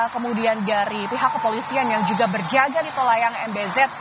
kemudian dari pihak kepolisian yang juga berjaga di tol layang mbz